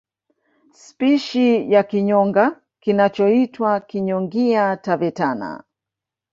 Spishi ya kinyonga kinachoitwa Kinyongia tavetana